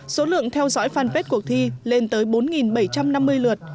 số lượng theo dõi fanpage cuộc thi lên tới bốn bảy trăm năm mươi lượt